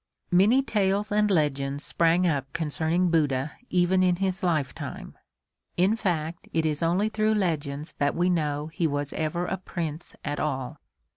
Many tales and legends sprang up concerning Buddha even in his lifetime. In fact it is only through legends that we know he was ever a Prince at all.